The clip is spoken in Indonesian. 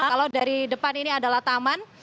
kalau dari depan ini adalah taman